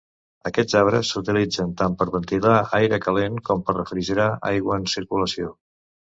Aquests arbres s'utilitzen tant per ventilar aire calent com per refrigerar aigua en circulació.